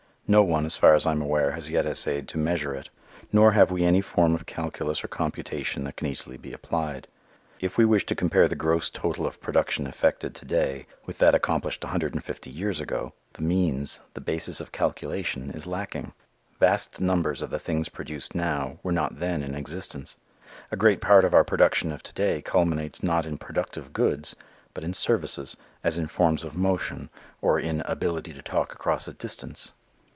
No one, as far as I am aware, has yet essayed to measure it. Nor have we any form of calculus or computation that can easily be applied. If we wish to compare the gross total of production effected to day with that accomplished a hundred and fifty years ago, the means, the basis of calculation, is lacking. Vast numbers of the things produced now were not then in existence. A great part of our production of to day culminates not in productive goods, but in services, as in forms of motion, or in ability to talk across a distance.